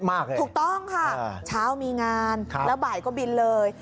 ถูกต้องค่ะเช้ามีงานแล้วบ่ายก็บินเลย